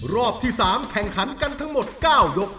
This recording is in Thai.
รอบที่๓แข่งขันกันทั้งหมด๙ยก